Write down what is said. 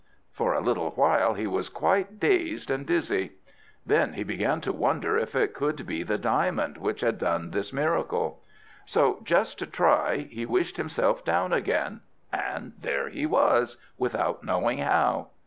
For a little while he was quite dazed and dizzy. Then he began to wonder if it could be the diamond which had done this miracle. So just to try, he wished himself down again; and there he was, without knowing how!